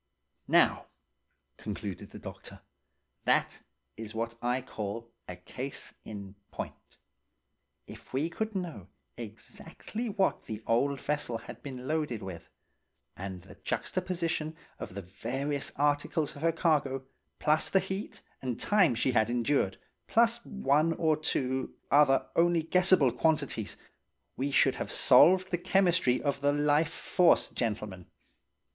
"Now," concluded the doctor, "that is what I call a case in point. If we could know exactly what the old vessel had originally been loaded with, and the juxtaposition of the various articles of her cargo, plus the heat and time she had endured, plus one or two other only guessable quantities, we should have solved the chemistry of the life force, gentlemen.